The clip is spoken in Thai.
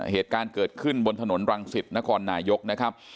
เหตุการณ์เกิดขึ้นบนถนนรังสิตนครนายกนะครับ